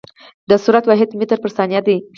د سرعت واحد متر پر ثانیه دی.